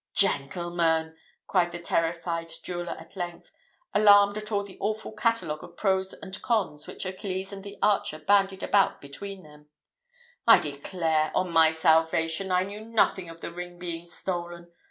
"Gentlemen," cried the terrified jeweller at length, alarmed at all the awful catalogue of pros and cons which Achilles and the archer banded about between them, "I declare, on my salvation, I knew nothing of the ring being stolen.